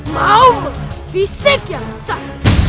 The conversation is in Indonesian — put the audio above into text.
mau mengeri fisik yang besar